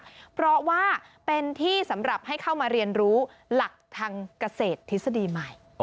เพราะว่าเป็นที่สำหรับให้เข้ามาเรียนรู้หลักทางเกษตรทฤษฎีใหม่